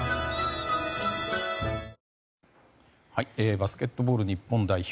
バスケットボール日本代表